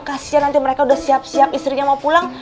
kasian nanti mereka sudah siap siap istrinya mau pulang